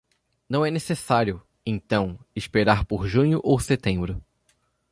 Não é necessário, então, esperar por junho ou setembro.